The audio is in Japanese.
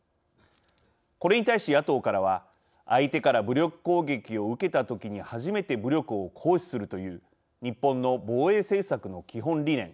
これに対し、野党からは相手から武力攻撃を受けたときに初めて武力を行使するという日本の防衛政策の基本理念